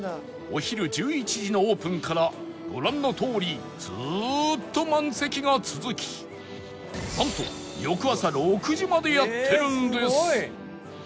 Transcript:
お昼１１時のオープンからご覧のとおりずーっと満席が続きなんと翌朝６時までやってるんです